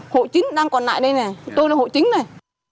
hộ chính đang còn lại đây nè tôi là hộ chính này